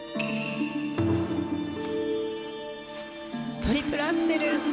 トリプルアクセル。